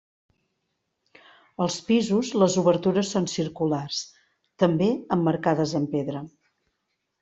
Als pisos, les obertures són circulars, també emmarcades en pedra.